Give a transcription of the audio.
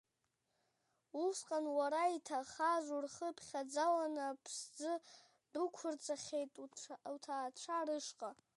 Усҟан уара иҭахаз урхыԥхьаӡаланы аԥсӡы дәықәырҵахьеит уҭаацәа рышҟа.